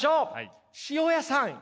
塩屋さん